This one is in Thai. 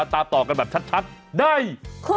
คุณทรงพลหอมพนา